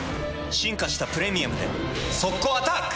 進化した「プレミアム」で速攻アタック！